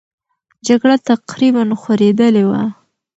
جګړه تقریبا خورېدلې وه.